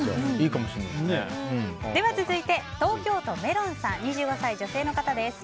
続いて東京都の２５歳、女性の方です。